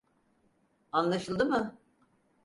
Anlaşıldı mı?